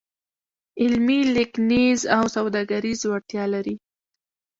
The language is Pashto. علمي، لیکنیز او سوداګریز وړتیا لري.